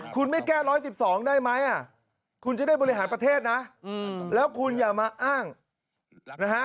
คุณไม่แก้๑๑๒ได้ไหมคุณจะได้บริหารประเทศนะแล้วคุณอย่ามาอ้างนะฮะ